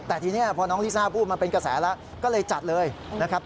แต่ทีนี้พอน้องลิซ่าพูดมันเป็นกระแสแล้วก็เลยจัดเลยนะครับ